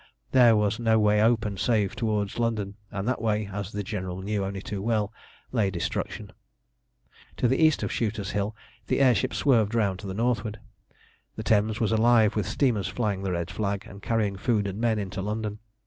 There was no way open save towards London, and that way, as the General knew only too well, lay destruction. To the east of Shooter's Hill the air ship swerved round to the northward. The Thames was alive with steamers flying the red flag, and carrying food and men into London.